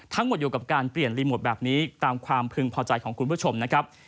ทั้งหมดอยู่กับการเปลี่ยนรีโมทแบบนี้ตามความพึงพอใจของคุณผู้ชมนะครับ